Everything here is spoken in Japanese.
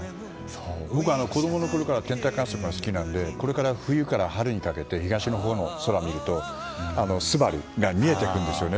僕は子供のころから天体観測が好きなのでこれから冬から春にかけて東のほうの空を見ると昴が見えてくるんですよね。